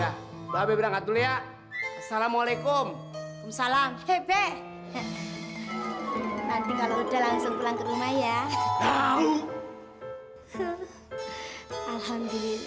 alhamdulillah sih tapi